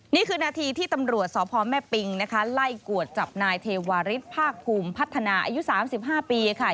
นี่คือนาทีที่ตำรวจสพแม่ปิงนะคะไล่กวดจับนายเทวาริสภาคภูมิพัฒนาอายุ๓๕ปีค่ะ